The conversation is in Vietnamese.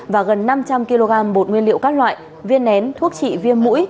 và gần năm trăm linh kg bột nguyên liệu các loại viên nén thuốc trị viêm mũi